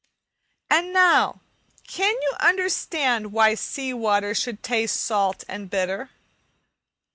And now, can you understand why sea water should taste salt and bitter?